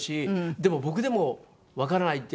でも僕でもわからないって。